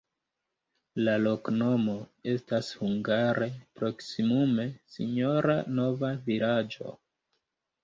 La loknomo estas hungare proksimume: sinjora-nova-vilaĝo.